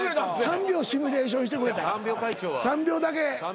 ３秒シミュレーションしてくれた３秒だけ。